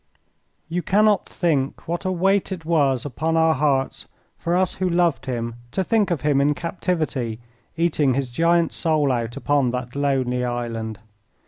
You cannot think what a weight it was upon our hearts for us who loved him to think of him in captivity eating his giant soul out upon that lonely island.